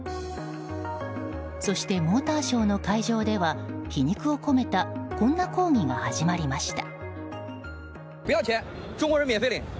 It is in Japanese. そしてモーターショーの会場では皮肉を込めたこんな抗議が始まりました。